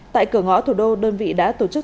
tại cửa ngõ thủ đô đơn vị đã tổ chức